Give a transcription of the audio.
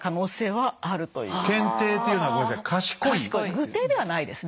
愚帝ではないですね。